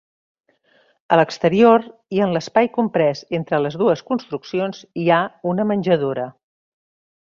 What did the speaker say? A l'exterior, i en l'espai comprès entre les dues construccions, hi ha una menjadora.